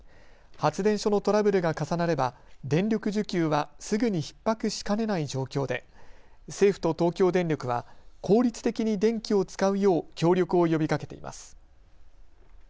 発電所のトラブルが重なれば電力需給はすぐにひっ迫しかねない状況で政府と東京電力は効率的に電気を使うよう協力を呼びかけています。